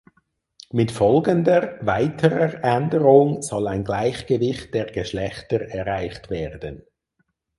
Mit folgender weiterer Änderung soll ein Gleichgewicht der Geschlechter erreicht werden.